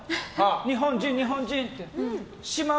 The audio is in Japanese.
日本人、日本人！って。